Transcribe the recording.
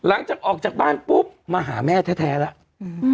หลังจากออกจากบ้านปุ๊บมาหาแม่แท้แท้แล้วอืม